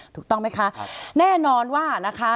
ถูกต้องไหมคะแน่นอนว่านะคะ